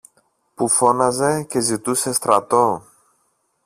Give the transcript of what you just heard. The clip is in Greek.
που φώναζε και ζητούσε στρατό.